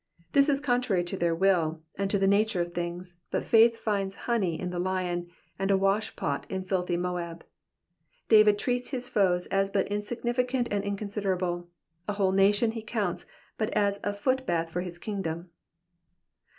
This is contrary to their will, and to the nature of things, but faith finds honey in the lion, and a washpot in filthy Moab. David treats his foes as but insignificant and inconsiderable ; a whole nation he counts but as a footbath for his kingdom.